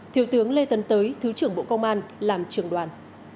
thiều tướng lê tấn tới thứ trưởng bộ công an làm trưởng đoàn